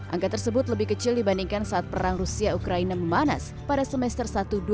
angka tersebut lebih kecil dibandingkan saat perang rusia ukraine memanas pada semester satu dua ribu dua puluh dua